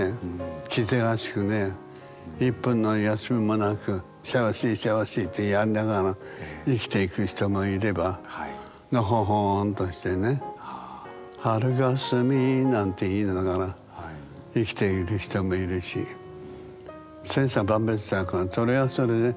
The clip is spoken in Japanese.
気ぜわしくね１分の休みもなくせわしいせわしいってやりながら生きていく人もいればのほほんとしてね「春霞」なんて言いながら生きている人もいるし千差万別だからそれはそれで。